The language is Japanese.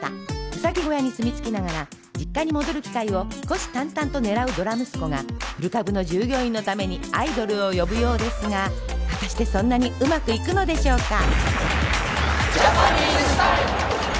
うさぎ小屋に住み着きながら実家に戻る機会を虎視眈々と狙うドラ息子が古株の従業員のためにアイドルを呼ぶようですが果たしてそんなにうまくいくのでしょうか？